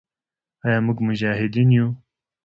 آیا موږ مجاهدین یو؟